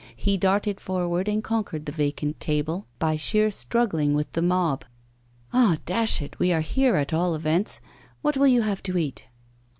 He darted forward and conquered the vacant table by sheer struggling with the mob. 'Ah! dash it! we are here at all events. What will you have to eat?